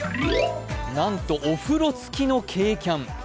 なんとお風呂付きの軽キャン。